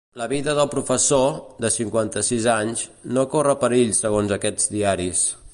La vida del professor, de cinquanta-sis anys, no corre perill segons aquests diaris.